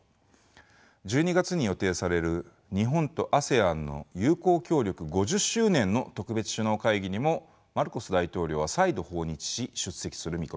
１２月に予定される日本とＡＳＥＡＮの友好協力５０周年の特別首脳会議にもマルコス大統領は再度訪日し出席する見込みです。